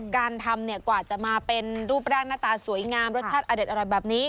การทำเนี่ยกว่าจะมาเป็นรูปร่างหน้าตาสวยงามรสชาติอเด็ดอร่อยแบบนี้